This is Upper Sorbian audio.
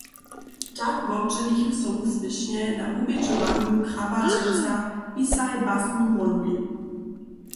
Tak wobdźělichu so wuspěšnje na wubědźowanju "Krabat dźensa – pisaj, basni, moluj".